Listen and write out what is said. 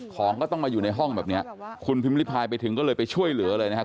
ของก็ต้องมาอยู่ในห้องแบบนี้คุณพิมริพายไปถึงก็เลยไปช่วยเหลือเลยนะครับ